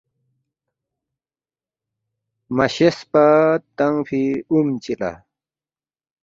مَہ شیش پا تنگفی اُم چی لا